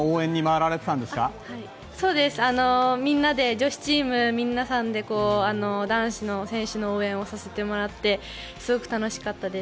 女子チーム皆さんで男子の選手の応援をさせてもらってすごく楽しかったです。